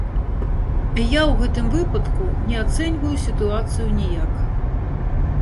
Я ў гэтым выпадку не ацэньваю сітуацыю ніяк.